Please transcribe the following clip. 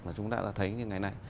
mà chúng ta đã thấy như ngày nay